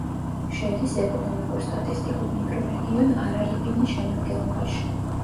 შედის ეკონომიკურ-სტატისტიკურ მიკრორეგიონ არარიპინის შემადგენლობაში.